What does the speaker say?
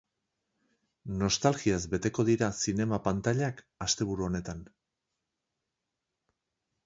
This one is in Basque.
Nostalgiaz beteko dira zinema pantailak asteburu honetan.